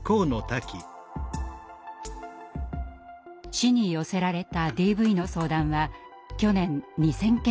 市に寄せられたＤＶの相談は去年２，０００件以上。